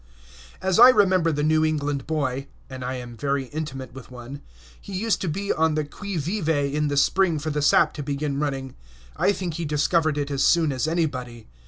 As I remember the New England boy (and I am very intimate with one), he used to be on the qui vive in the spring for the sap to begin running. I think he discovered it as soon as anybody.